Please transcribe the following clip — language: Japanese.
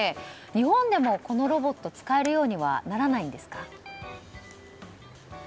日本でも、このロボットは使えるようにならないんですか？